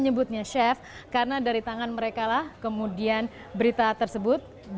sebagai pendatang baru